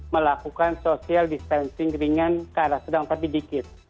melakukan social distancing ringan ke arah sedang tapi dikit